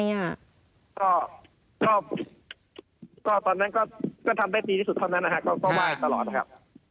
ก็ตอนนั้นก็ทำได้ดีที่สุดตอนนั้นก็ว่าอยู่ตลอดนะครับ